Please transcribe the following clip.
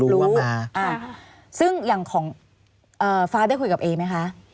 รู้ว่ามาใช่ค่ะซึ่งอย่างของฟ้าได้คุยกับเอ๊มั้ยคะ